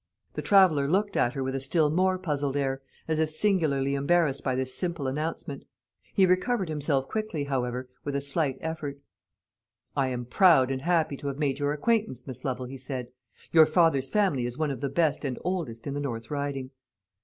The traveller looked at her with a still more puzzled air, as if singularly embarrassed by this simple announcement. He recovered himself quickly, however, with a slight effort. "I am proud and happy to have made your acquaintance, Miss Lovel," he said; "your father's family is one of the best and oldest in the North Riding."